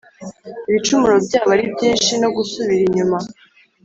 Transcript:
Ibicumuro byabo ari byinshi no gusubira inyuma